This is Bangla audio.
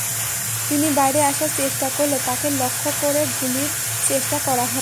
তিনি বাইরে আসার চেষ্টা করলে তাঁকে লক্ষ্য করে গুলির চেষ্টা করা হয়।